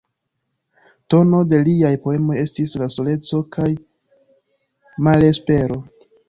Tono de liaj poemoj estis la soleco kaj malespero.